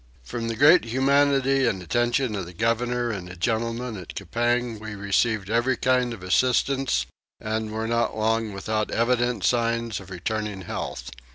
From the great humanity and attention of the governor and the gentlemen at Coupang we received every kind of assistance and were not long without evident signs of returning health.